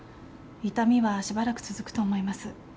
痛みはしばらく続くと思います。